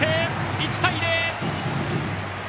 １対０！